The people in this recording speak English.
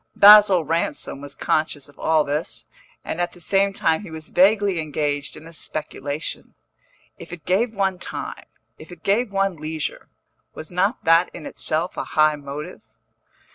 Basil Ransom was conscious of all this, and at the same time he was vaguely engaged in a speculation. If it gave one time, if it gave one leisure, was not that in itself a high motive?